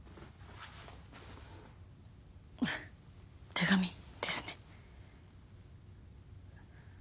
手紙ですね。